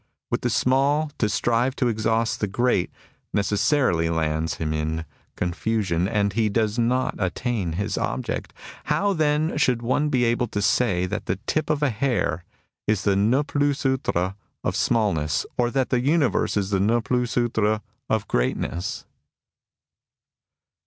With the small, to strive to exhaust the great necessarily lands him in con* CORRELATIVES 41 fusion, and he does not attain his object. How then should one be able to say that the tip of a hair is the ne jilua ultra of smallness, or that the universe is the ne plus vltra of greatness